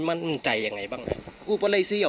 มันไม่ใช่แหละมันไม่ใช่แหละ